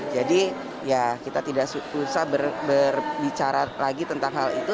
jadi ya kita tidak usah berbicara lagi tentang hal itu